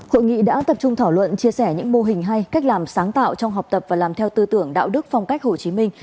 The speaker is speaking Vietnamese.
hội nghị đã tập trung thảo luận chia sẻ những mô hình hay cách làm sáng tạo trong học tập và làm theo tư tưởng đạo đức phong cách hồ chí minh